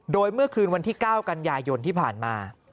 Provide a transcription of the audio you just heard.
โดยเมื่อคืนวันที่๙กันยายนที่ผ่านมา